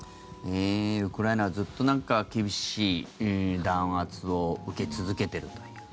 ウクライナはずっと厳しい弾圧を受け続けているという。